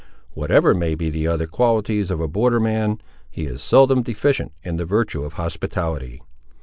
Whatever may be the other qualities of a border man, he is seldom deficient in the virtue of hospitality.